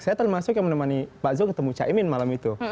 saya termasuk yang menemani pak zul ketemu caimin malam itu